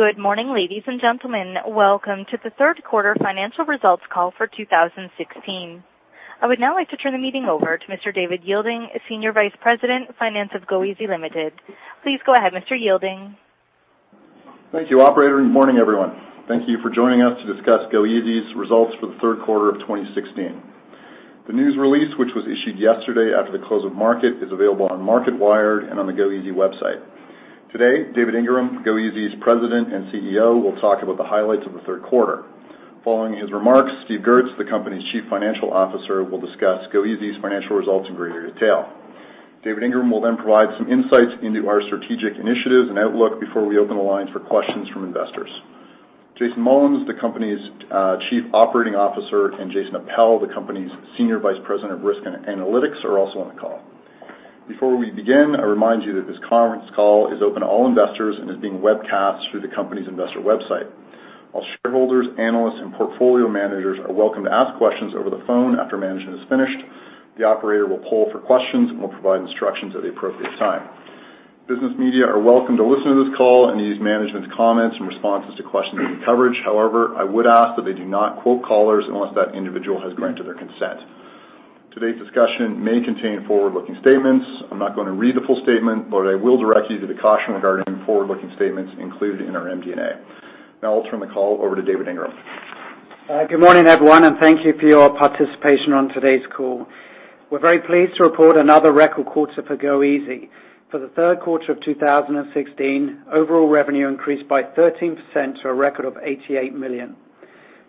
Good morning, ladies and gentlemen. Welcome to the third quarter financial results call for two thousand and sixteen. I would now like to turn the meeting over to Mr. David Yielding, Senior Vice President, Finance of goeasy Ltd. Please go ahead, Mr. Yielding. Thank you, operator. Good morning, everyone. Thank you for joining us to discuss goeasy's results for the third quarter of 2016. The news release, which was issued yesterday after the close of market, is available on Marketwire and on the goeasy website. Today, David Ingram, goeasy's President and CEO, will talk about the highlights of the third quarter. Following his remarks, Steve Goertz, the company's Chief Financial Officer, will discuss goeasy's financial results in greater detail. David Ingram will then provide some insights into our strategic initiatives and outlook before we open the line for questions from investors. Jason Mullins, the company's Chief Operating Officer, and Jason Appel, the company's Senior Vice President of Risk and Analytics, are also on the call. Before we begin, I remind you that this conference call is open to all investors and is being webcast through the company's investor website. While shareholders, analysts, and portfolio managers are welcome to ask questions over the phone after management is finished, the operator will poll for questions and will provide instructions at the appropriate time. Business media are welcome to listen to this call and use management's comments and responses to questions in coverage. However, I would ask that they do not quote callers unless that individual has granted their consent. Today's discussion may contain forward-looking statements. I'm not going to read the full statement, but I will direct you to the caution regarding forward-looking statements included in our MD&A. Now I'll turn the call over to David Ingram. Good morning, everyone, and thank you for your participation on today's call. We're very pleased to report another record quarter for goeasy. For the third quarter of two thousand and sixteen, overall revenue increased by 13% to a record of 88 million.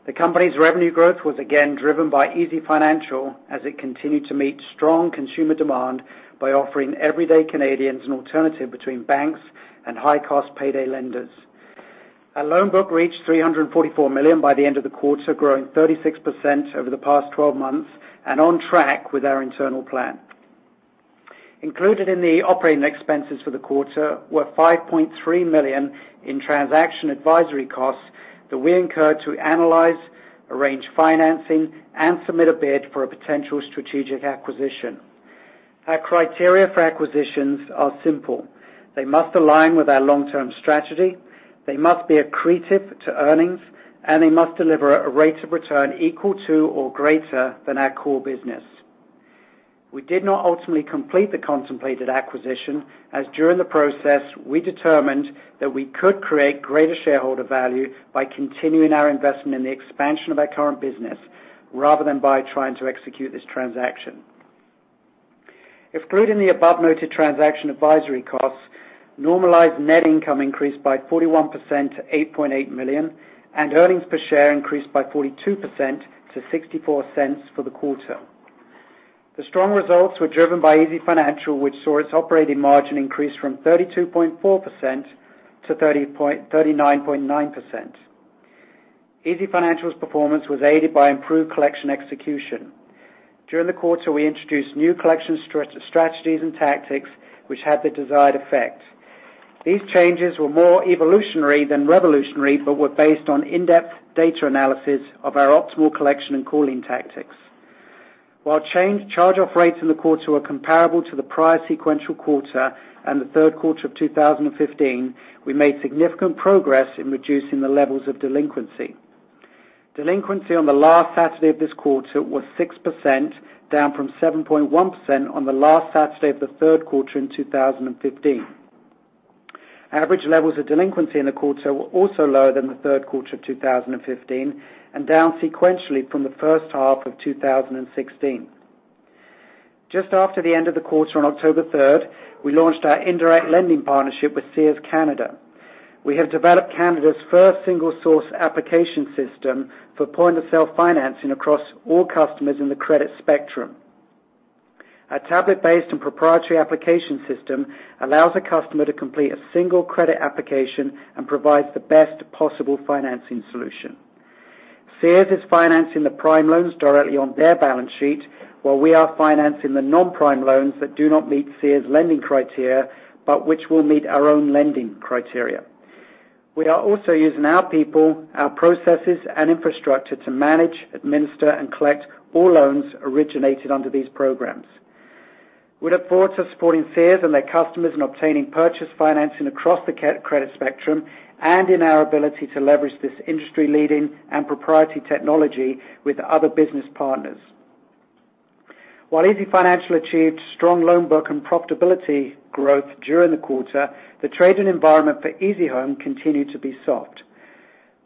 The company's revenue growth was again driven by easyfinancial, as it continued to meet strong consumer demand by offering everyday Canadians an alternative between banks and high-cost payday lenders. Our loan book reached 344 million by the end of the quarter, growing 36% over the past twelve months and on track with our internal plan. Included in the operating expenses for the quarter were 5.3 million in transaction advisory costs that we incurred to analyze, arrange financing, and submit a bid for a potential strategic acquisition. Our criteria for acquisitions are simple: They must align with our long-term strategy, they must be accretive to earnings, and they must deliver a rate of return equal to or greater than our core business. We did not ultimately complete the contemplated acquisition, as during the process, we determined that we could create greater shareholder value by continuing our investment in the expansion of our current business, rather than by trying to execute this transaction. If included in the above-noted transaction advisory costs, normalized net income increased by 41% to 8.8 million, and earnings per share increased by 42% to 0.64 for the quarter. The strong results were driven by easyfinancial, which saw its operating margin increase from 32.4% to 39.9%. easyfinancial's performance was aided by improved collection execution. During the quarter, we introduced new collection strategies and tactics which had the desired effect. These changes were more evolutionary than revolutionary, but were based on in-depth data analysis of our optimal collection and calling tactics. While charge-off rates in the quarter were comparable to the prior sequential quarter and the third quarter of two thousand and fifteen, we made significant progress in reducing the levels of delinquency. Delinquency on the last Saturday of this quarter was 6%, down from 7.1% on the last Saturday of the third quarter in two thousand and fifteen. Average levels of delinquency in the quarter were also lower than the third quarter of two thousand and fifteen, and down sequentially from the first half of two thousand and sixteen. Just after the end of the quarter, on October third, we launched our indirect lending partnership with Sears Canada. We have developed Canada's first single-source application system for point-of-sale financing across all customers in the credit spectrum. A tablet-based and proprietary application system allows a customer to complete a single credit application and provides the best possible financing solution. Sears is financing the prime loans directly on their balance sheet, while we are financing the non-prime loans that do not meet Sears' lending criteria, but which will meet our own lending criteria. We are also using our people, our processes, and infrastructure to manage, administer, and collect all loans originated under these programs. We look forward to supporting Sears and their customers in obtaining purchase financing across the credit spectrum and in our ability to leverage this industry-leading and proprietary technology with other business partners. While easyfinancial achieved strong loan book and profitability growth during the quarter, the trading environment for easyhome continued to be soft.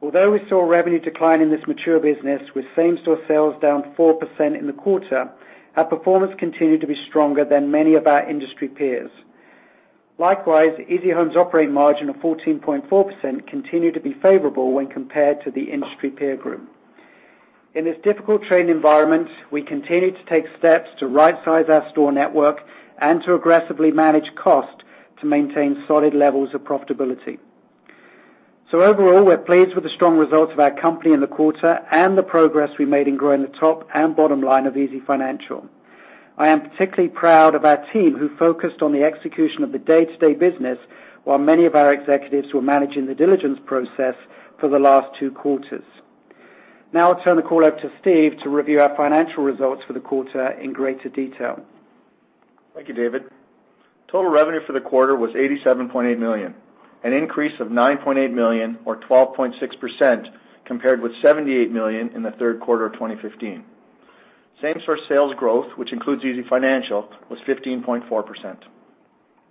Although we saw revenue decline in this mature business, with same-store sales down 4% in the quarter, our performance continued to be stronger than many of our industry peers. Likewise, easyhome's operating margin of 14.4% continued to be favorable when compared to the industry peer group. In this difficult trading environment, we continued to take steps to rightsize our store network and to aggressively manage cost to maintain solid levels of profitability. So overall, we're pleased with the strong results of our company in the quarter and the progress we made in growing the top and bottom line of easyfinancial. I am particularly proud of our team, who focused on the execution of the day-to-day business, while many of our executives were managing the diligence process for the last two quarters. Now I'll turn the call over to Steve to review our financial results for the quarter in greater detail.... Thank you, David. Total revenue for the quarter was 87.8 million, an increase of 9.8 million or 12.6%, compared with 78 million in the third quarter of 2015. Same-store sales growth, which includes easyfinancial, was 15.4%.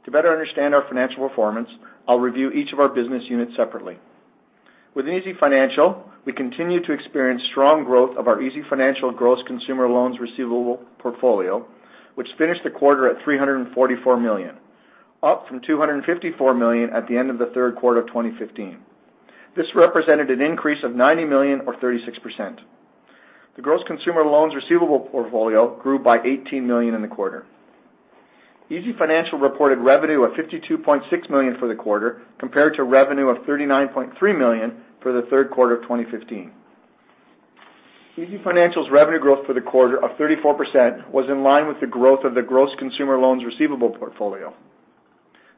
To better understand our financial performance, I'll review each of our business units separately. Within easyfinancial, we continue to experience strong growth of our easyfinancial gross consumer loans receivable portfolio, which finished the quarter at 344 million, up from 254 million at the end of the third quarter of 2015. This represented an increase of 90 million or 36%. The gross consumer loans receivable portfolio grew by 18 million in the quarter. Easyfinancial reported revenue of 52.6 million for the quarter, compared to revenue of 39.3 million for the third quarter of 2015. easyfinancial's revenue growth for the quarter of 34% was in line with the growth of the gross consumer loans receivable portfolio.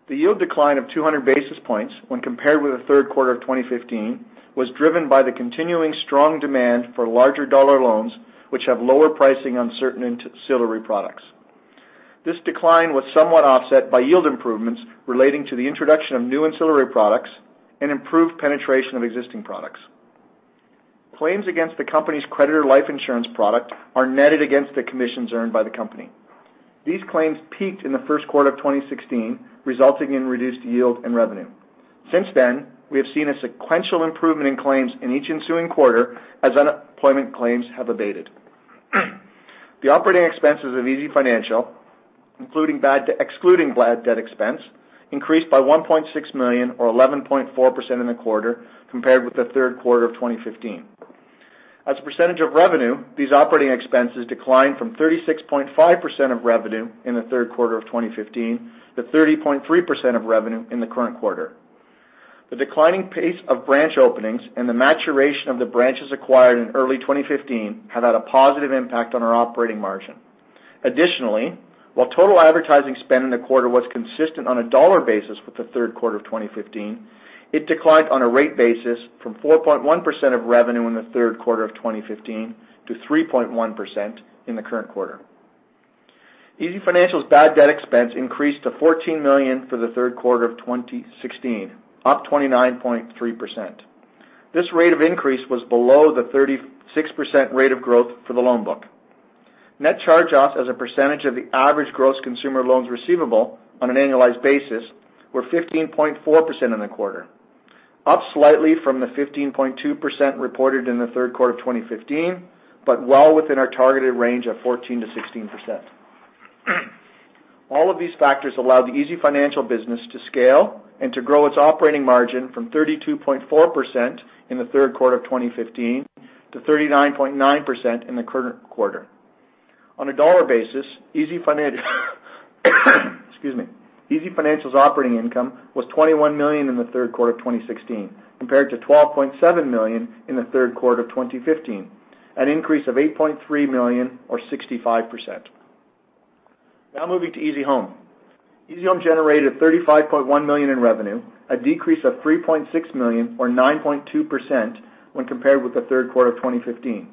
The yield decline of 200 basis points when compared with the third quarter of 2015 was driven by the continuing strong demand for larger dollar loans, which have lower pricing on certain ancillary products. This decline was somewhat offset by yield improvements relating to the introduction of new ancillary products and improved penetration of existing products. Claims against the company's creditor life insurance product are netted against the commissions earned by the company. These claims peaked in the first quarter of 2016, resulting in reduced yield and revenue. Since then, we have seen a sequential improvement in claims in each ensuing quarter as unemployment claims have abated. The operating expenses of easyfinancial, excluding bad debt expense, increased by 1.6 million or 11.4% in the quarter compared with the third quarter of 2015. As a percentage of revenue, these operating expenses declined from 36.5% of revenue in the third quarter of 2015 to 30.3% of revenue in the current quarter. The declining pace of branch openings and the maturation of the branches acquired in early 2015 have had a positive impact on our operating margin. Additionally, while total advertising spend in the quarter was consistent on a dollar basis with the third quarter of 2015, it declined on a rate basis from 4.1% of revenue in the third quarter of 2015 to 3.1% in the current quarter. easyfinancial's bad debt expense increased to 14 million for the third quarter of 2016, up 29.3%. This rate of increase was below the 36% rate of growth for the loan book. Net charge-offs as a percentage of the average gross consumer loans receivable on an annualized basis were 15.4% in the quarter, up slightly from the 15.2% reported in the third quarter of 2015, but well within our targeted range of 14% to 16%. All of these factors allowed the easyfinancial business to scale and to grow its operating margin from 32.4% in the third quarter of twenty fifteen to 39.9% in the current quarter. On a dollar basis, easyfinancial, excuse me, easyfinancial's operating income was 21 million in the third quarter of twenty sixteen, compared to 12.7 million in the third quarter of twenty fifteen, an increase of 8.3 million or 65%. Now moving to easyhome. easyhome generated 35.1 million in revenue, a decrease of 3.6 million or 9.2% when compared with the third quarter of twenty fifteen.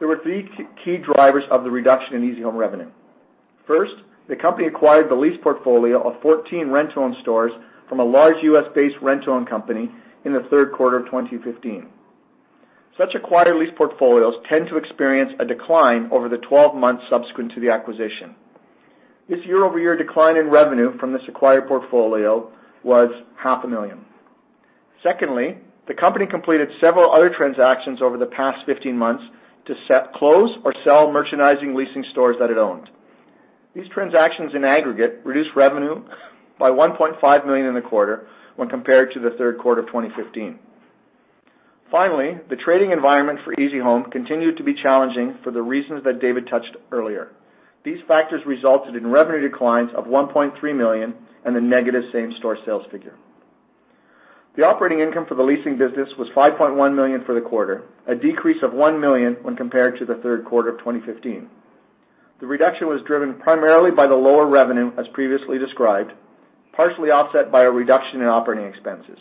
There were three key drivers of the reduction in easyhome revenue. First, the company acquired the lease portfolio of fourteen rent-to-own stores from a large US-based rent-to-own company in the third quarter of 2015. Such acquired lease portfolios tend to experience a decline over the twelve months subsequent to the acquisition. This year-over-year decline in revenue from this acquired portfolio was 500,000. Secondly, the company completed several other transactions over the past fifteen months to set, close or sell merchandising leasing stores that it owned. These transactions, in aggregate, reduced revenue by 1.5 million in the quarter when compared to the third quarter of 2015. Finally, the trading environment for easyhome continued to be challenging for the reasons that David touched earlier. These factors resulted in revenue declines of 1.3 million and a negative same-store sales figure. The operating income for the leasing business was 5.1 million for the quarter, a decrease of 1 million when compared to the third quarter of 2015. The reduction was driven primarily by the lower revenue, as previously described, partially offset by a reduction in operating expenses.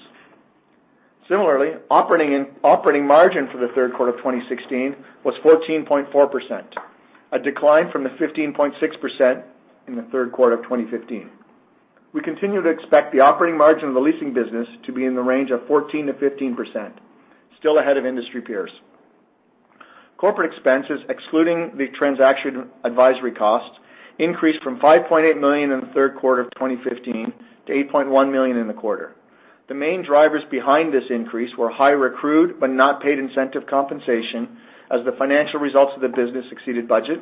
Similarly, operating margin for the third quarter of 2016 was 14.4%, a decline from the 15.6% in the third quarter of 2015. We continue to expect the operating margin of the leasing business to be in the range of 14% to 15%, still ahead of industry peers. Corporate expenses, excluding the transaction advisory costs, increased from 5.8 million in the third quarter of 2015 to 8.1 million in the quarter. The main drivers behind this increase were high accrued, but not paid incentive compensation as the financial results of the business exceeded budget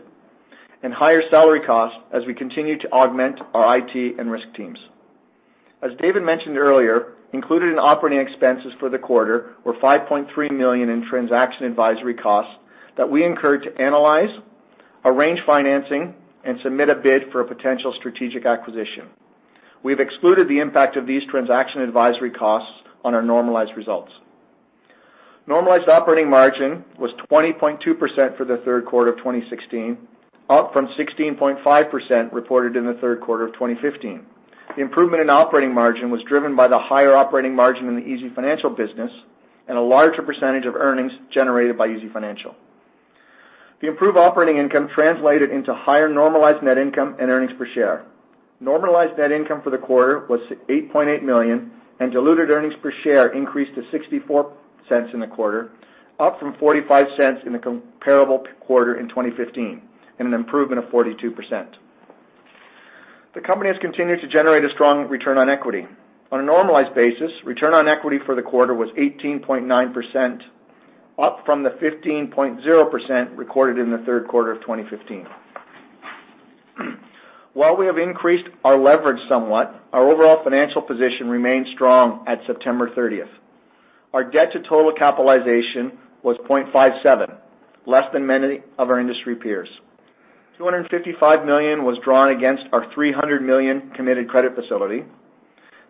and higher salary costs as we continue to augment our IT and risk teams. As David mentioned earlier, included in operating expenses for the quarter were 5.3 million in transaction advisory costs that we incurred to analyze, arrange financing, and submit a bid for a potential strategic acquisition. We've excluded the impact of these transaction advisory costs on our normalized results. Normalized operating margin was 20.2% for the third quarter of 2016, up from 16.5% reported in the third quarter of 2015. The improvement in operating margin was driven by the higher operating margin in the easyfinancial business and a larger percentage of earnings generated by easyfinancial....The improved operating income translated into higher normalized net income and earnings per share. Normalized net income for the quarter was 8.8 million, and diluted earnings per share increased to 0.64 in the quarter, up from 0.45 in the comparable quarter in 2015, and an improvement of 42%. The company has continued to generate a strong return on equity. On a normalized basis, return on equity for the quarter was 18.9%, up from the 15.0% recorded in the third quarter of 2015. While we have increased our leverage somewhat, our overall financial position remains strong at September 30. Our debt to total capitalization was 0.57, less than many of our industry peers. CAD 255 million was drawn against our CAD 300 million committed credit facility.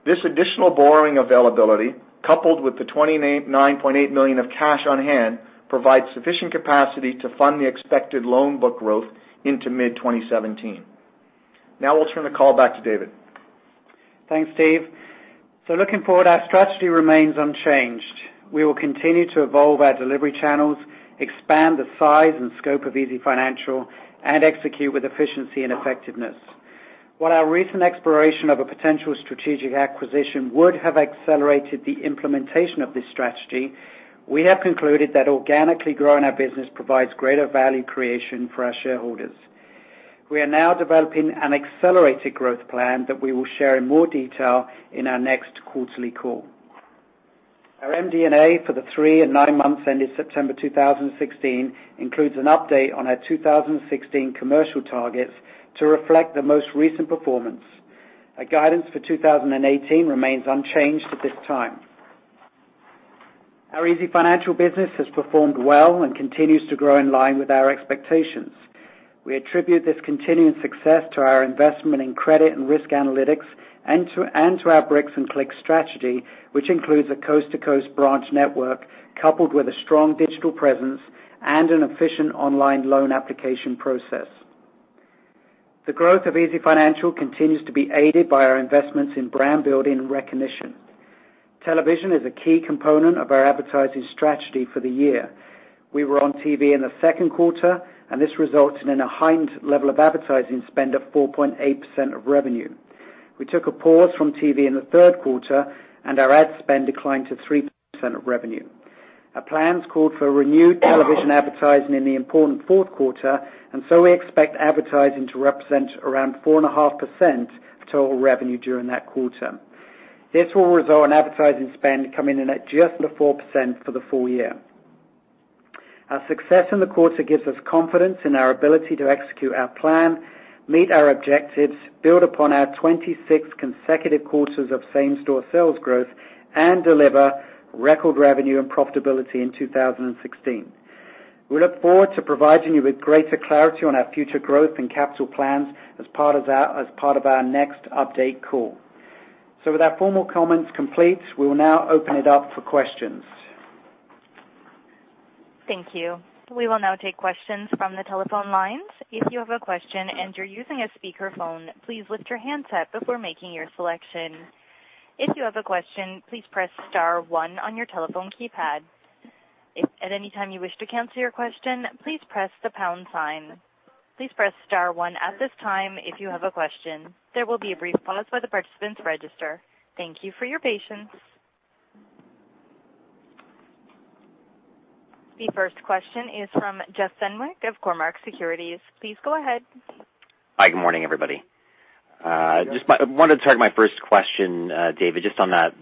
This additional borrowing availability, coupled with the 29.8 million of cash on hand, provides sufficient capacity to fund the expected loan book growth into mid-2017. Now we'll turn the call back to David. Thanks, Steve. So looking forward, our strategy remains unchanged. We will continue to evolve our delivery channels, expand the size and scope of easyfinancial, and execute with efficiency and effectiveness. While our recent exploration of a potential strategic acquisition would have accelerated the implementation of this strategy, we have concluded that organically growing our business provides greater value creation for our shareholders. We are now developing an accelerated growth plan that we will share in more detail in our next quarterly call. Our MD&A for the three and nine months ended September two thousand and sixteen includes an update on our two thousand and sixteen commercial targets to reflect the most recent performance. Our guidance for two thousand and eighteen remains unchanged at this time. Our easyfinancial business has performed well and continues to grow in line with our expectations. We attribute this continuing success to our investment in credit and risk analytics and to our bricks-and-clicks strategy, which includes a coast-to-coast branch network, coupled with a strong digital presence and an efficient online loan application process. The growth of easyfinancial continues to be aided by our investments in brand building and recognition. Television is a key component of our advertising strategy for the year. We were on TV in the second quarter, and this resulted in a heightened level of advertising spend of 4.8% of revenue. We took a pause from TV in the third quarter, and our ad spend declined to 3% of revenue. Our plans called for renewed television advertising in the important fourth quarter, and so we expect advertising to represent around 4.5% of total revenue during that quarter. This will result in advertising spend coming in at just under 4% for the full year. Our success in the quarter gives us confidence in our ability to execute our plan, meet our objectives, build upon our 26 consecutive quarters of same-store sales growth, and deliver record revenue and profitability in 2016. We look forward to providing you with greater clarity on our future growth and capital plans as part of our next update call. So with our formal comments complete, we will now open it up for questions. Thank you. We will now take questions from the telephone lines. If you have a question and you're using a speakerphone, please lift your handset before making your selection. If you have a question, please press star one on your telephone keypad. If at any time you wish to cancel your question, please press the pound sign. Please press star one at this time if you have a question. There will be a brief pause while the participants register. Thank you for your patience. The first question is from Jeff Fenwick of Cormark Securities. Please go ahead. Hi, good morning, everybody. I wanted to start my first question, David, just on that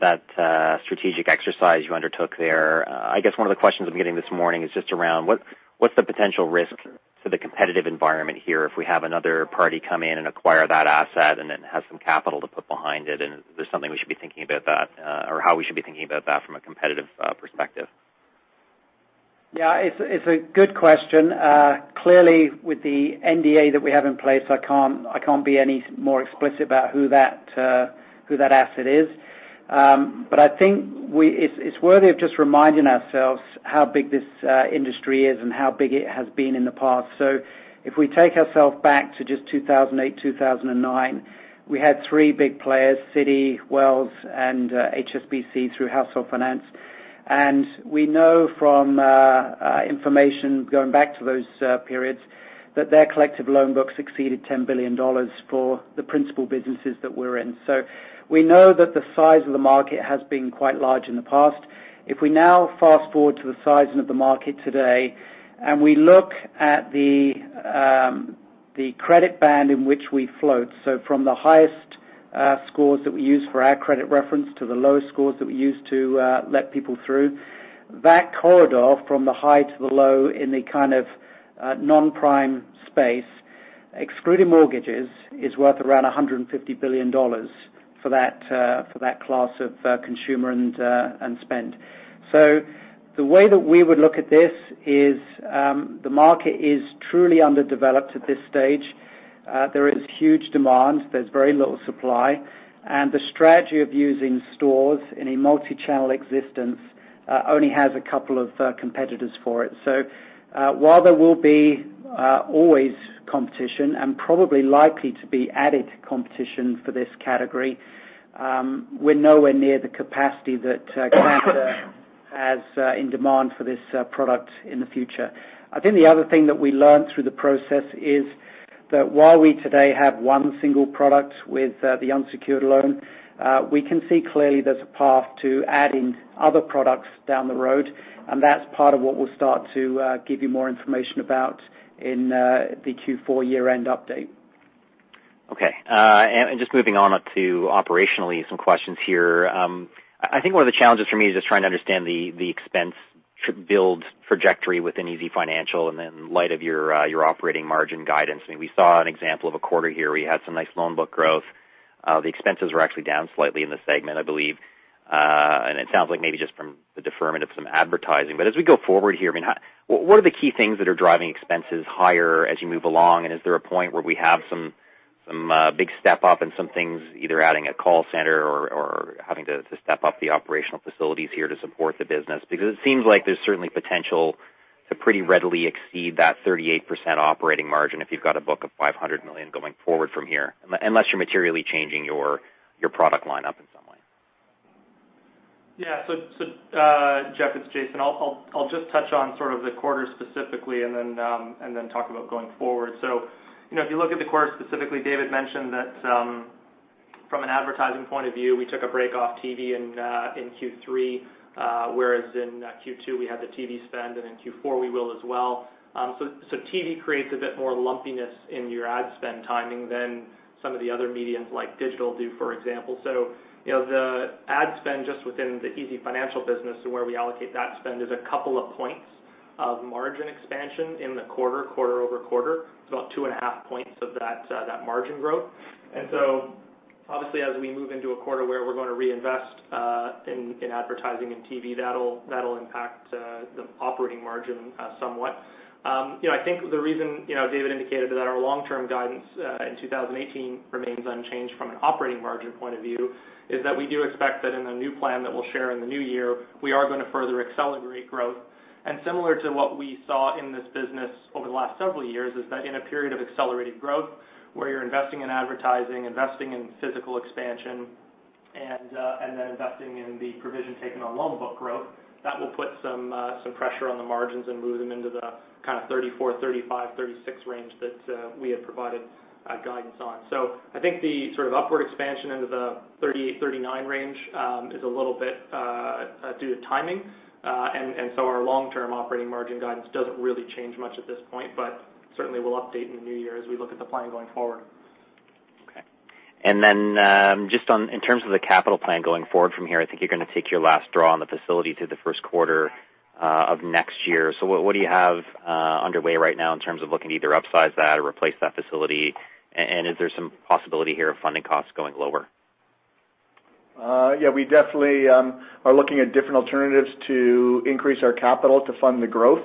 strategic exercise you undertook there. I guess one of the questions I'm getting this morning is just around what's the potential risk to the competitive environment here if we have another party come in and acquire that asset and then have some capital to put behind it? And is this something we should be thinking about that, or how we should be thinking about that from a competitive perspective? Yeah, it's a good question. Clearly, with the NDA that we have in place, I can't be any more explicit about who that asset is. But I think it's worthy of just reminding ourselves how big this industry is and how big it has been in the past. So if we take ourselves back to just two thousand and eight, two thousand and nine, we had three big players, Citi, Wells, and HSBC, through Household Finance. And we know from information going back to those periods, that their collective loan books exceeded 10 billion dollars for the principal businesses that we're in. So we know that the size of the market has been quite large in the past. If we now fast-forward to the sizing of the market today, and we look at the credit band in which we float, so from the highest scores that we use for our credit reference to the lowest scores that we use to let people through that corridor, from the high to the low in the kind of non-prime space, excluding mortgages, is worth around 150 billion dollars for that class of consumer and spend. So the way that we would look at this is, the market is truly underdeveloped at this stage. There is huge demand, there's very little supply, and the strategy of using stores in a multi-channel existence only has a couple of competitors for it. So, while there will be always competition, and probably likely to be added competition for this category, we're nowhere near the capacity that Canada has in demand for this product in the future. I think the other thing that we learned through the process is that while we today have one single product with the unsecured loan, we can see clearly there's a path to adding other products down the road, and that's part of what we'll start to give you more information about in the Q4 year-end update. Okay, and just moving on to operationally some questions here. I think one of the challenges for me is just trying to understand the expense-to-book trajectory within easyfinancial. And then in light of your operating margin guidance, I mean, we saw an example of a quarter here where you had some nice loan book growth. The expenses were actually down slightly in the segment, I believe. And it sounds like maybe just from the deferment of some advertising. But as we go forward here, I mean, what are the key things that are driving expenses higher as you move along? And is there a point where we have some big step up in some things, either adding a call center or having to step up the operational facilities here to support the business? Because it seems like there's certainly potential to pretty readily exceed that 38% operating margin if you've got a book of 500 million going forward from here, unless you're materially changing your product lineup in some way. Yeah. So, Jeff, it's Jason. I'll just touch on sort of the quarter specifically, and then talk about going forward. So, you know, if you look at the quarter specifically, David mentioned that, from an advertising point of view, we took a break off TV in Q3, whereas in Q2, we had the TV spend, and in Q4 we will as well. So, TV creates a bit more lumpiness in your ad spend timing than some of the other mediums like digital do, for example. So you know, the ad spend just within the easyfinancial business and where we allocate that spend is a couple of points of margin expansion in the quarter, quarter over quarter. It's about two and a half points of that, that margin growth. And so obviously, as we move into a quarter where we're going to reinvest in advertising and TV, that'll impact the operating margin somewhat. You know, I think the reason you know, David indicated that our long-term guidance in 2018 remains unchanged from an operating margin point of view, is that we do expect that in the new plan that we'll share in the new year, we are going to further accelerate growth. And similar to what we saw in this business over the last several years is that in a period of accelerated growth, where you're investing in advertising, investing in physical expansion, And investing in the provision taking a long book growth, that will put some pressure on the margins, And move them into the kind of 34% to 36% range that we had provided guidance on. So I think the sort of upward expansion into the 38% to 39% range is a little bit due to timing. And so our long-term operating margin guidance doesn't really change much at this point, but certainly we'll update in the new year as we look at the plan going forward. Okay. And then, just on in terms of the capital plan going forward from here, I think you're going to take your last draw on the facility to the first quarter of next year. So what do you have underway right now in terms of looking to either upsize that or replace that facility? And is there some possibility here of funding costs going lower? Yeah, we definitely are looking at different alternatives to increase our capital to fund the growth.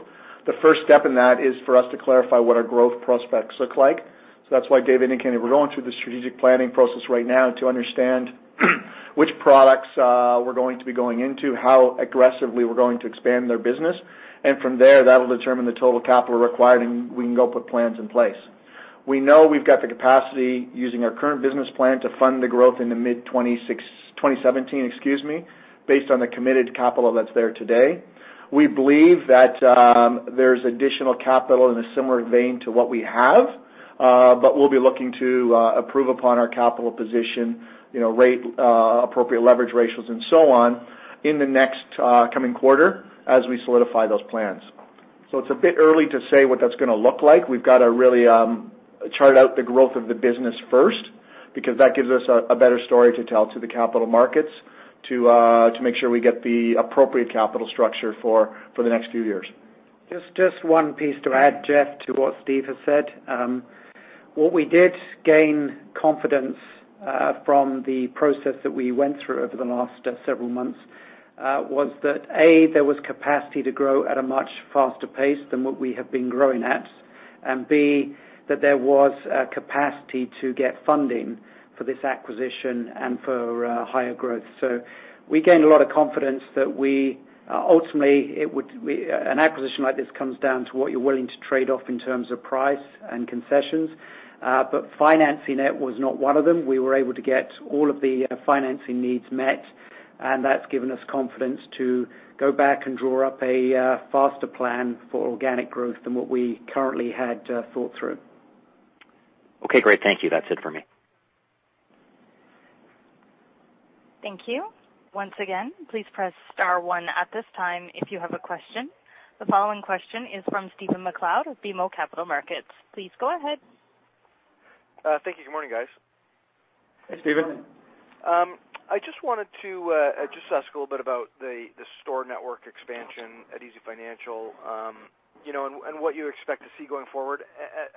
The first step in that is for us to clarify what our growth prospects look like. So that's why Dave indicated we're going through the strategic planning process right now to understand which products we're going to be going into, how aggressively we're going to expand their business. And from there, that will determine the total capital required, and we can go put plans in place. We know we've got the capacity, using our current business plan, to fund the growth in the mid-twenties, 2017, excuse me, based on the committed capital that's there today. We believe that, there's additional capital in a similar vein to what we have, but we'll be looking to, approve upon our capital position, you know, rate, appropriate leverage ratios and so on, in the next, coming quarter as we solidify those plans. So it's a bit early to say what that's going to look like. We've got to really, chart out the growth of the business first, because that gives us a better story to tell to the capital markets to, to make sure we get the appropriate capital structure for, for the next few years. Just, just one piece to add, Jeff, to what Steve has said. What we did gain confidence from the process that we went through over the last several months was that, A, there was capacity to grow at a much faster pace than what we have been growing at. And B, that there was a capacity to get funding for this acquisition and for higher growth. So we gained a lot of confidence that we ultimately, an acquisition like this comes down to what you're willing to trade off in terms of price and concessions. But financing, it was not one of them. We were able to get all of the financing needs met, and that's given us confidence to go back and draw up a faster plan for organic growth than what we currently had thought through. Okay, great. Thank you. That's it for me. Thank you. Once again, please press star one at this time if you have a question. The following question is from Stephen McLeod with BMO Capital Markets. Please go ahead. Thank you. Good morning, guys. Hey, Stephen. Good morning. I just wanted to just ask a little bit about the store network expansion at easyfinancial, you know, and what you expect to see going forward,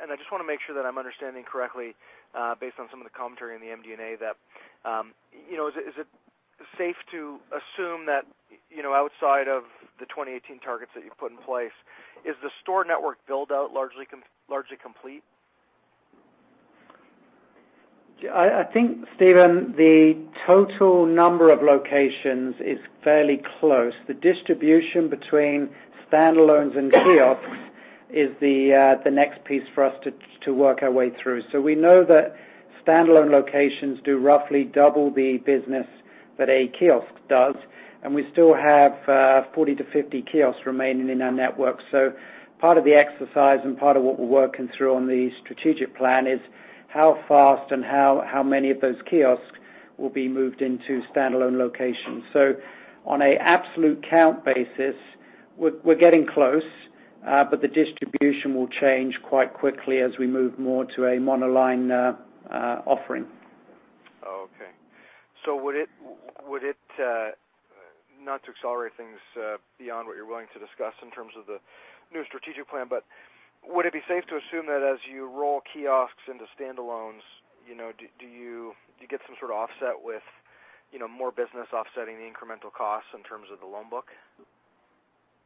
and I just want to make sure that I'm understanding correctly, based on some of the commentary in the MD&A, that, you know, is it safe to assume that, you know, outside of the 2018 targets that you've put in place, is the store network build-out largely complete? I think, Stephen, the total number of locations is fairly close. The distribution between standalones and kiosks is the next piece for us to work our way through. So we know that standalone locations do roughly double the business that a kiosk does, and we still have 40 to 50 kiosks remaining in our network. So part of the exercise and part of what we're working through on the strategic plan is how fast and how many of those kiosks will be moved into standalone locations. So on a absolute count basis, we're getting close, but the distribution will change quite quickly as we move more to a monoline offering. Okay. So would it not to accelerate things beyond what you're willing to discuss in terms of the new strategic plan, but would it be safe to assume that as you roll kiosks into standalones, you know, do you get some sort of offset with, you know, more business offsetting the incremental costs in terms of the loan book?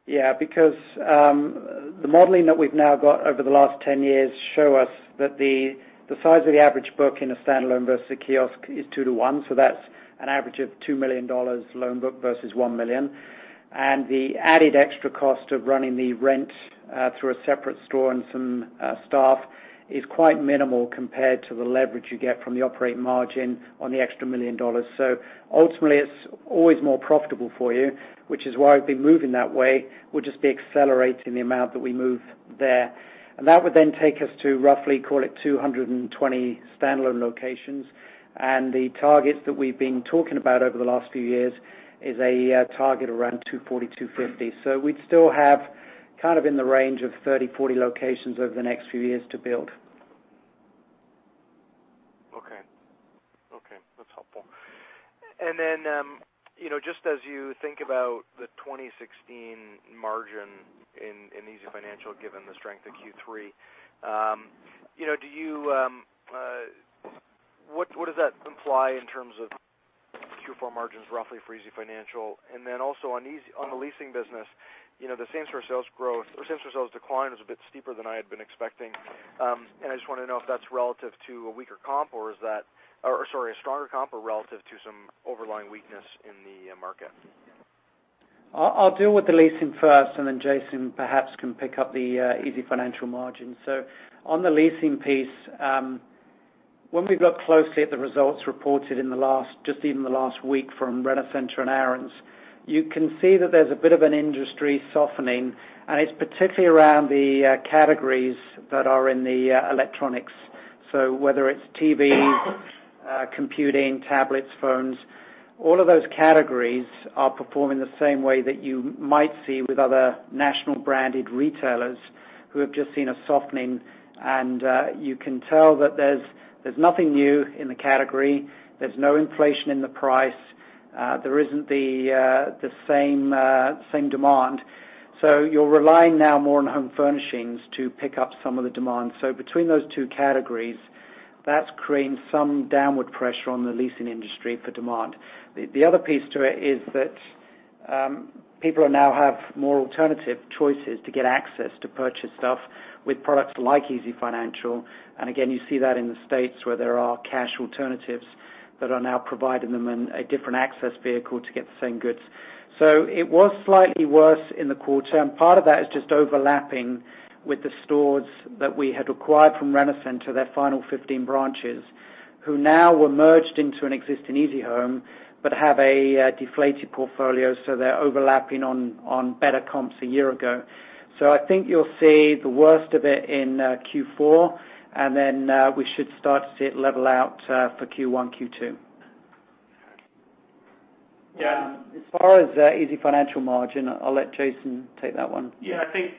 Yeah, because the modeling that we've now got over the last ten years shows us that the size of the average book in a standalone versus a kiosk is two to one, so that's an average of 2 million dollars loan book versus 1 million. And the added extra cost of running the rent through a separate store and some staff is quite minimal compared to the leverage you get from the operating margin on the extra 1 million dollars. So ultimately, it's always more profitable for you, which is why we've been moving that way. We'll just be accelerating the amount that we move there. And that would then take us to roughly, call it, 220 standalone locations. And the targets that we've been talking about over the last few years is a target around 240 to 250. So we'd still have kind of in the range of 30 to 40 locations over the next few years to build. Okay. Okay, that's helpful. And then, you know, just as you think about the 2016 margin in easyfinancial, given the strength of Q3, you know, do you, what does that imply in terms of Q4 margins, roughly, for easyfinancial? And then also on easyhome, the leasing business, you know, the same-store sales growth, or same-store sales decline is a bit steeper than I had been expecting. And I just want to know if that's relative to a weaker comp, or is that... Or, or sorry, a stronger comp or relative to some underlying weakness in the market. I'll deal with the leasing first, and then Jason perhaps can pick up the easyfinancial margin. So on the leasing piece, when we look closely at the results reported in the last, just even the last week from Rent-A-Center and Aaron's, you can see that there's a bit of an industry softening, and it's particularly around the categories that are in the electronics. So whether it's TVs, computing, tablets, phones, all of those categories are performing the same way that you might see with other national branded retailers who have just seen a softening. And you can tell that there's nothing new in the category. There's no inflation in the price. There isn't the same demand. So you're relying now more on home furnishings to pick up some of the demand. So between those two categories, that's creating some downward pressure on the leasing industry for demand. The other piece to it is that, people now have more alternative choices to get access to purchase stuff with products like easyfinancial. And again, you see that in the States, where there are cash alternatives that are now providing them a different access vehicle to get the same goods. So it was slightly worse in the quarter, and part of that is just overlapping with the stores that we had acquired from Rent-A-Center, their final 15 branches, who now were merged into an existing easyhome, but have a deflated portfolio, so they're overlapping on better comps a year ago. So I think you'll see the worst of it in Q4, and then, we should start to see it level out for Q1, Q2. Yeah. As far as easyfinancial margin, I'll let Jason take that one. Yeah, I think,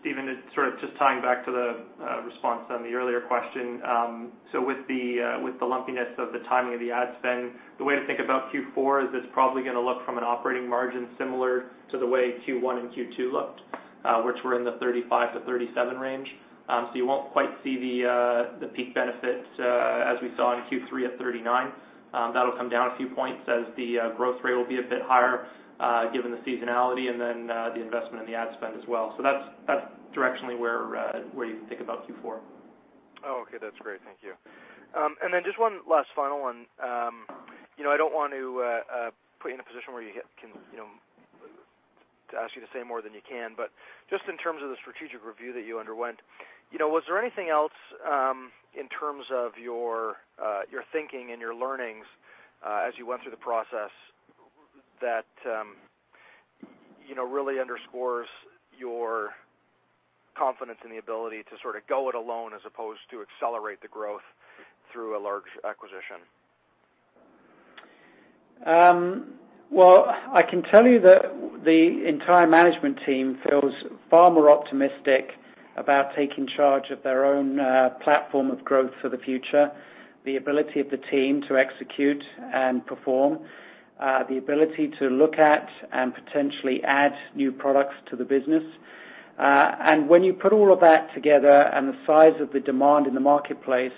Stephen, it's sort of just tying back to the response on the earlier question. So with the lumpiness of the timing of the ad spend, the way to think about Q4 is it's probably gonna look from an operating margin similar to the way Q1 and Q2 looked, which were in the 35% to 37% range. So you won't quite see the peak benefit as we saw in Q3 of 39%. That'll come down a few points as the growth rate will be a bit higher given the seasonality and then the investment in the ad spend as well. So that's directionally where you can think about Q4. Oh, okay. That's great. Thank you. And then just one last final one. You know, I don't want to put you in a position where you can't, you know, to ask you to say more than you can, but just in terms of the strategic review that you underwent, you know, was there anything else in terms of your thinking and your learnings, as you went through the process, that you know, really underscores your confidence in the ability to sort of go it alone as opposed to accelerate the growth through a large acquisition? Well, I can tell you that the entire management team feels far more optimistic about taking charge of their own platform of growth for the future, the ability of the team to execute and perform, the ability to look at and potentially add new products to the business. And when you put all of that together and the size of the demand in the marketplace,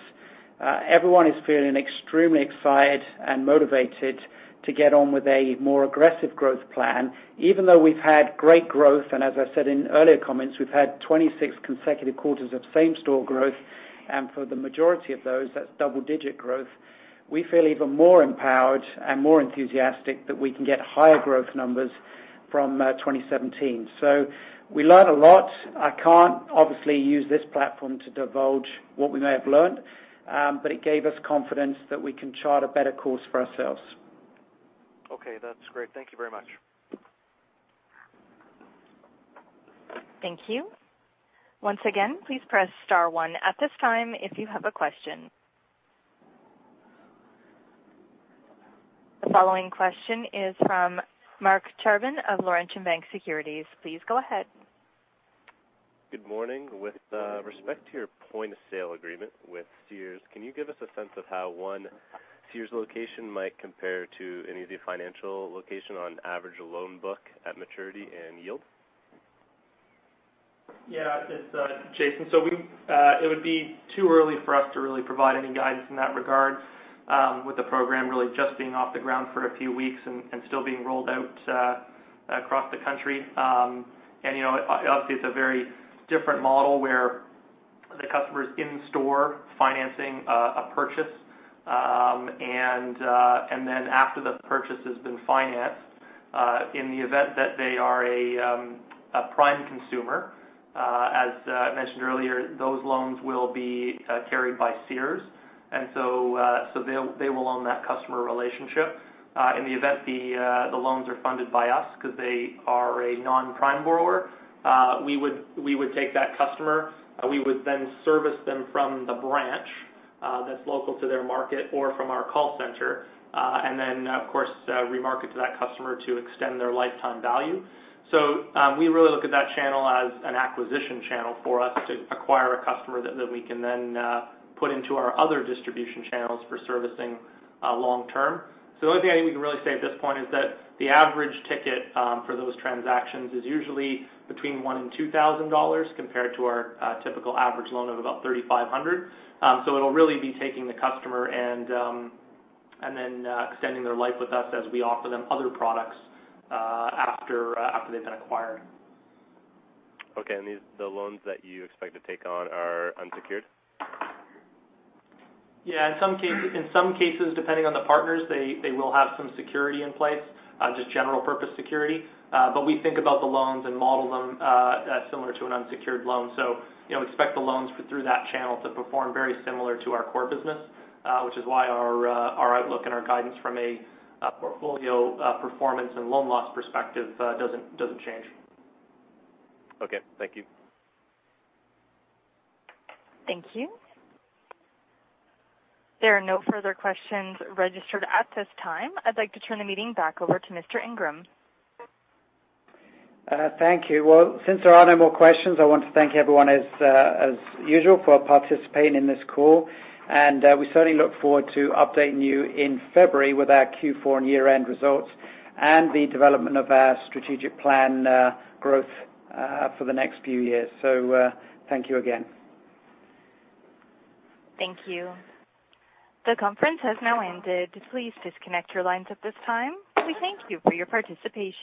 everyone is feeling extremely excited and motivated to get on with a more aggressive growth plan, even though we've had great growth, and as I said in earlier comments, we've had 26 consecutive quarters of same-store growth, and for the majority of those, that's double-digit growth. We feel even more empowered and more enthusiastic that we can get higher growth numbers from 2017. So we learn a lot.I can't obviously use this platform to divulge what we may have learned, but it gave us confidence that we can chart a better course for ourselves. Okay, that's great. Thank you very much. Thank you. Once again, please press star one at this time if you have a question. The following question is from Marc Charbin of Laurentian Bank Securities. Please go ahead. Good morning. With respect to your point-of-sale agreement with Sears, can you give us a sense of how one Sears location might compare to an easyfinancial location on average loan book at maturity and yield? Yeah, it's Jason. So we. It would be too early for us to really provide any guidance in that regard, with the program really just being off the ground for a few weeks and still being rolled out across the country. And, you know, obviously, it's a very different model where the customer is in-store financing a purchase. And then after the purchase has been financed, in the event that they are a prime consumer, as mentioned earlier, those loans will be carried by Sears, and so they will own that customer relationship. In the event the loans are funded by us because they are a non-prime borrower, we would take that customer. We would then service them from the branch that's local to their market or from our call center, and then, of course, remarket to that customer to extend their lifetime value, so we really look at that channel as an acquisition channel for us to acquire a customer that we can then put into our other distribution channels for servicing long term, so the only thing I think we can really say at this point is that the average ticket for those transactions is usually between 1,000 and 2,000 dollars, compared to our typical average loan of about 3,500, so it'll really be taking the customer and then extending their life with us as we offer them other products after they've been acquired. Okay, and these, the loans that you expect to take on are unsecured? Yeah, in some cases, depending on the partners, they will have some security in place, just general purpose security. But we think about the loans and model them as similar to an unsecured loan. So, you know, expect the loans through that channel to perform very similar to our core business, which is why our outlook and our guidance from a portfolio performance and loan loss perspective doesn't change. Okay. Thank you. Thank you. There are no further questions registered at this time. I'd like to turn the meeting back over to Mr. Ingram. Thank you. Well, since there are no more questions, I want to thank everyone as, as usual for participating in this call, and, we certainly look forward to updating you in February with our Q4 and year-end results, and the development of our strategic plan, growth, for the next few years. So, thank you again. Thank you. The conference has now ended. Please disconnect your lines at this time. We thank you for your participation.